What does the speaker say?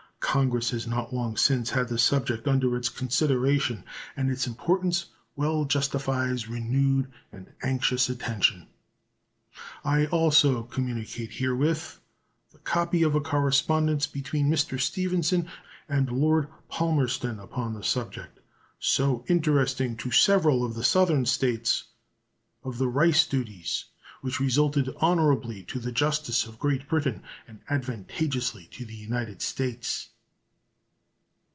Congress has not long since had this subject under its consideration, and its importance well justifies renewed and anxious attention. I also communicate herewith the copy of a correspondence between Mr. Stevenson and Lord Palmerston upon the subject, so interesting to several of the Southern States, of the rice duties, which resulted honorably to the justice of Great Britain and advantageously to the United States.